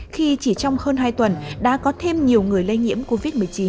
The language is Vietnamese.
khi chỉ trong hơn hai tuần đã có thêm nhiều người lây nhiễm covid một mươi chín